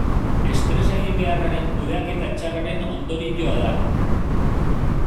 Estresa eginbeharraren kudeaketa txarraren ondorioa da.